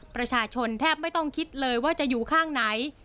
ประชาชนแทบไม่ต้องคิดเลยว่าจะอยู่ข้างไหน